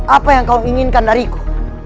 apa yang kau inginkan dariku